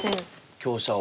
香車を。